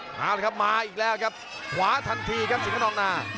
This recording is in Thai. มาเลยครับมาอีกแล้วครับขวาทันทีครับสิงขนองนา